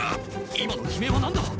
今の悲鳴は何だ！？